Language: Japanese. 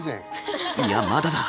いやまだだ！